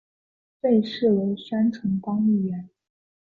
被视为三重帮一员。